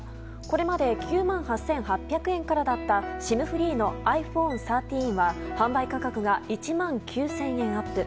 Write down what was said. これまで９万８８００円からだったＳＩＭフリーのｉＰｈｏｎｅ１３は販売価格が１万９０００円アップ。